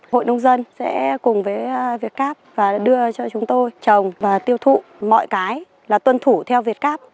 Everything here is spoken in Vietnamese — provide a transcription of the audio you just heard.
hội nông dân sẽ cùng với việt cáp và đưa cho chúng tôi trồng và tiêu thụ mọi cái là tuân thủ theo việt cáp